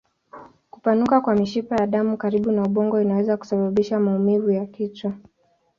Kupanuka kwa mishipa ya damu karibu na ubongo inaweza kusababisha maumivu ya kichwa.